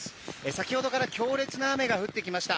先ほどから強烈な雨が降ってきました。